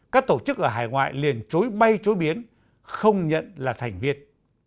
các tổ chức ở hải ngoại liền chối bay chối biến không nhận là thành viên